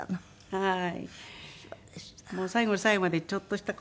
はい。